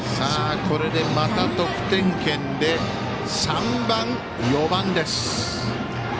これでまた得点圏で３番、４番です。